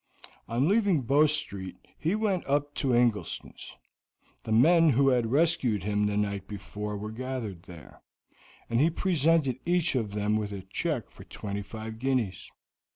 On leaving Bow Street he went up to Ingleston's. The men who had rescued him the night before were gathered there; and he presented each of them with a check for twenty five guineas.